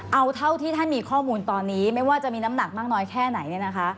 เอาเท่าที่ท่านมีข้อมูลตอนนี้ไม่ว่าจะมีน้ำหนักมากน้อยแค่ไหนเนี่ยนะคะ